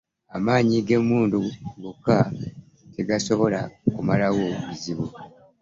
Amaanyi g'emmundu gokka tegasobola kumalawo bizibu.